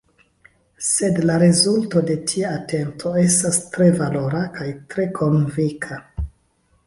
Sed la rezulto de tia atento estas tre valora – kaj tre konvinka.